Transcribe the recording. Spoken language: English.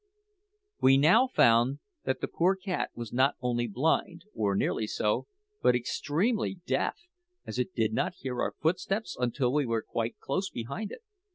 We now found that the poor cat was not only blind, or nearly so, but extremely deaf, as it did not hear our footsteps until we were quite close behind it.